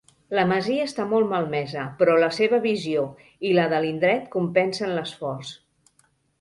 La masia està molt malmesa, però la seva visió i la de l'indret compensen l'esforç.